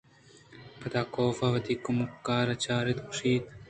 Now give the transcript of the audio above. پدا کاف ءَوتی کمکار چاراِت ءُگوٛشت اَنت